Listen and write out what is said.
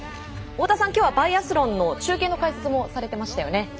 太田さん、きょうはバイアスロンの中継の解説もされてましたよね。